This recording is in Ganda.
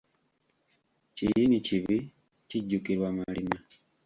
Kiyini kibi, kijjukirwa malima.